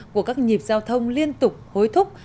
của các nhịp giao thông liên tục hối thúc